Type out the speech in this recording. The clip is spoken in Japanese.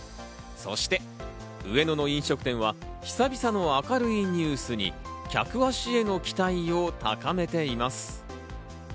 そして上野の飲食店は久々の明るいニュースに客足への期待を高めています。